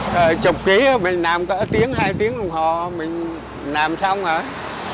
trời chục ký á mình nằm có tiến hai tiếng đồng hồ mình nằm xong rồi